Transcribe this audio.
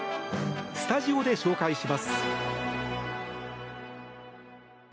スタジオで紹介します。